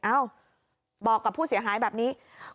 เอ้าบอกกับผู้เสียหายแบบนี้